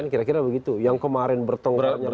kira kira begitu yang kemarin bertongkar